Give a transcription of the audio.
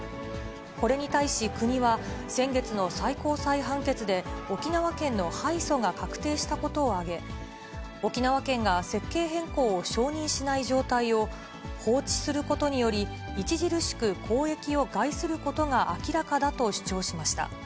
これに対し国は、先月の最高裁判決で、沖縄県の敗訴が確定したことを挙げ、沖縄県が設計変更を承認しない状態を放置することにより著しく公益を害することが明らかだと主張しました。